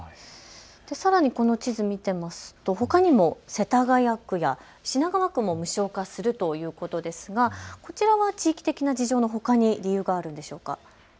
さらにこの地図、見てみますとほかにも世田谷区や品川区も無償化するということですがこちらは地域的な事情のほかに理由があるんでしょうか。